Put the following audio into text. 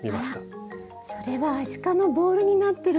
あらそれはアシカのボールになってるんですか？